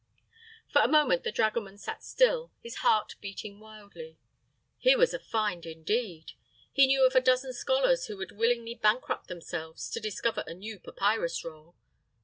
For a moment the dragoman sat still, his heart beating wildly. Here was a find, indeed! He knew of a dozen scholars who would willingly bankrupt themselves to discover a new papyrus roll.